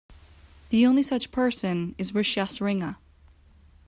The only such person is Rishyasringa.